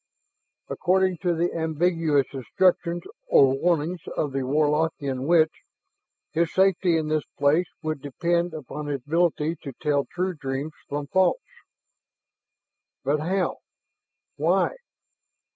According to the ambiguous instructions or warnings of the Warlockian witch, his safety in this place would depend upon his ability to tell true dreams from false. But how ... why?